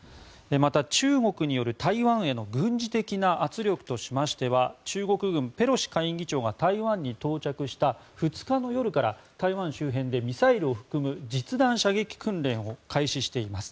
また中国による台湾への軍事的な圧力としましては中国軍、ペロシ下院議長が台湾に到着した２日の夜から台湾周辺でミサイルを含む実弾射撃訓練を開始しています。